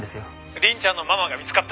「凛ちゃんのママが見つかった。